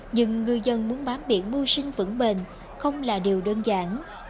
nhưng ngư dân muốn bám biển mua sinh vững bền không là điều đơn giản